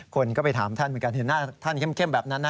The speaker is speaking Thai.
คนก็ไปถามท่านเหมือนกันท่านเข้มเข้มแบบนั้นนะ